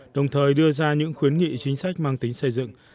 đồng thời đưa ra những khuyến nghị chính sách mang tính xây dựng